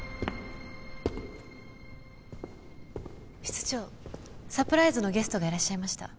室長サプライズのゲストがいらっしゃいました。